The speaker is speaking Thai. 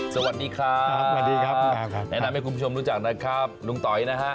สวัสดีครับสวัสดีครับแนะนำให้คุณผู้ชมรู้จักนะครับลุงต๋อยนะฮะ